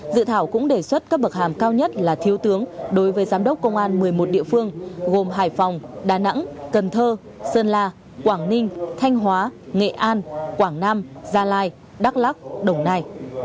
dự thảo cũng đề xuất cấp bậc hàm cao nhất là thiếu tướng đối với giám đốc công an một mươi một địa phương gồm hải phòng đà nẵng cần thơ sơn la quảng ninh thanh hóa nghệ an quảng nam gia lai đắk lắc đồng nai